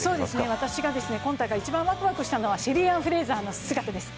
私が今大会一番ワクワクしたのはシェリーアン・フレイザーの姿です